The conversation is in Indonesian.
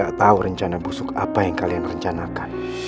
gak tau rencana busuk apa yang kalian rencanakan